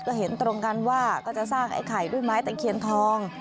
ก็เห็นตรงกันว่าก็จะสร้างไอ้ไข่ด้วยไม้ตะเคียนทอง